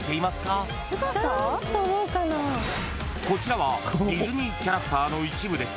［こちらはディズニーキャラクターの一部です］